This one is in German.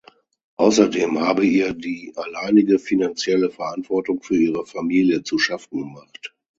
Außerdem habe ihr die alleinige finanzielle Verantwortung für ihre Familie zu schaffen gemacht.